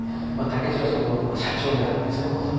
武市はそこの社長になるわけですね今度。